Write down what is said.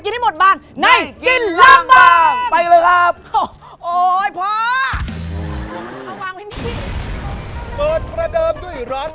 ผมก็ไม่ได้นั่งเหมือนกันครับ